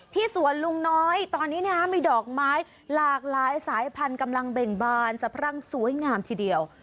สวนลุงน้อยตอนนี้มีดอกไม้หลากหลายสายพันธุ์กำลังเบ่งบานสะพรั่งสวยงามทีเดียว